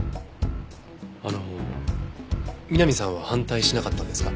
あの美波さんは反対しなかったんですか？